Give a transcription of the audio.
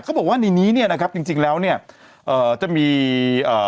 เขาบอกว่าในนี้เนี่ยนะครับจริงจริงแล้วเนี่ยเอ่อจะมีเอ่อ